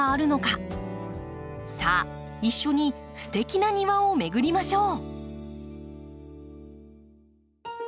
さあ一緒にステキな庭を巡りましょう！